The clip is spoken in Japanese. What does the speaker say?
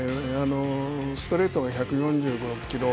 ストレートが１４５６キロ。